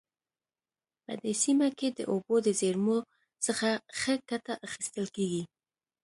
په دې سیمه کې د اوبو د زیرمو څخه ښه ګټه اخیستل کیږي